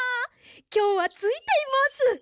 きょうはついています。